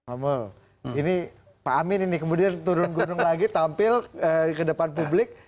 amel ini pak amin ini kemudian turun gunung lagi tampil ke depan publik